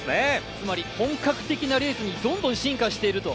つまり本格的なレースにどんどん進化していると。